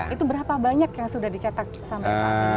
itu berapa banyak yang sudah dicetak sampai saat ini